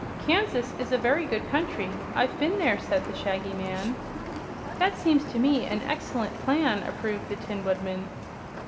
"Kansas is a very good country. I've been there," said the Shaggy Man. "That seems to me an excellent plan," approved the Tin Woodman.